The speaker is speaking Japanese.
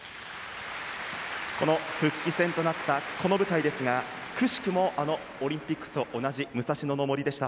復帰戦となったこの舞台ですがくしくもあのオリンピックと同じ武蔵野の森でした。